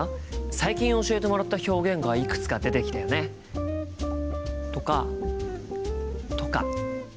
最近教えてもらった表現がいくつか出てきたよね。とか。とか。